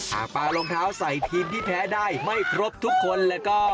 ปลารองเท้าใส่ทีมที่แพ้ได้ไม่ครบทุกคนแล้วก็